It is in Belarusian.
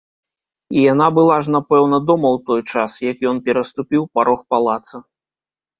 І яна была ж напэўна дома ў той час, як ён пераступіў парог палаца.